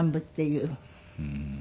うん。